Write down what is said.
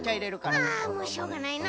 あもうしょうがないな。